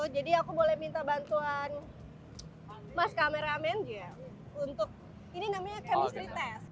jadi aku boleh minta bantuan mas kameramen untuk ini namanya chemistry test